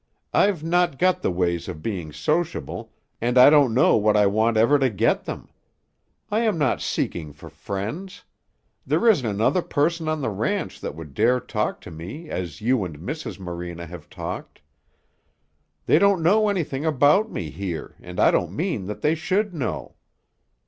I've not got the ways of being sociable and I don't know that I want ever to get them. I am not seeking for friends. There isn't another person on the ranch that would dare talk to me as you and Mrs. Morena have talked. They don't know anything about me here and I don't mean that they should know."